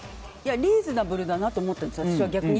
リーズナブルだなと思ったんです、逆に。